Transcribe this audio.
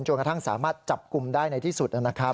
กระทั่งสามารถจับกลุ่มได้ในที่สุดนะครับ